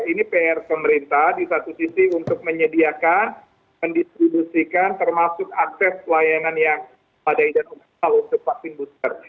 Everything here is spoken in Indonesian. ini pr pemerintah di satu sisi untuk menyediakan mendistribusikan termasuk akses layanan yang padal untuk vaksin booster